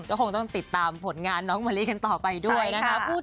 ก็คงต้องติดตามผลงานน้องมะลิกันต่อไปด้วยนะคะ